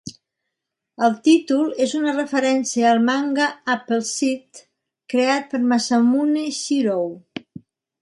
El títol és una referència al manga Appleseed creat per Masamune Shirow.